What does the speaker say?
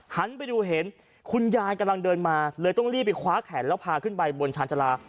หันไปดูเห็นคุณยายกำลังเดินมาเลยต้องรีบไปคว้าแขนแล้วพาขึ้นไปบนชาญชาลา